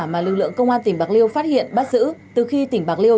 mà lực lượng công an tỉnh bạc liêu phát hiện bắt giữ từ khi tỉnh bạc liêu